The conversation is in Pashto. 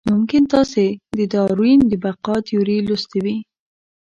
ممکن تاسې د داروېن د بقا تیوري لوستې وي.